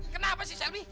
kenapa sih selvi